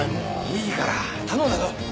いいから頼んだぞ。